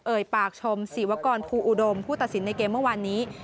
ปากชมศิวกรภูอุดมผู้ตัดสินในเกมเมื่อวานนี้